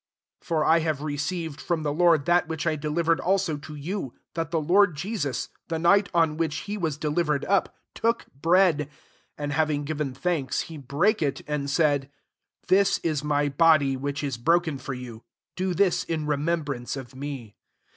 23 For I have received from the Lord that which I delivered al^ to you, that the Lord Jesus, the night on which he was de livered up, took bread ; 24 and having given thanks, he brake it ; and said, " This is my body, which is broken for you: do this in remembrance of me.''